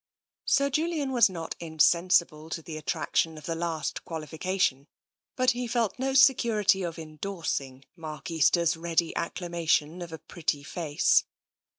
Sir Julian was not insensible to the attraction of the last qualification, but he felt no security of endorsing Mark Easter's ready acclamation of a pretty face.